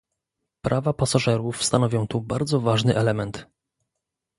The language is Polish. Prawa pasażerów stanowią tu bardzo ważny element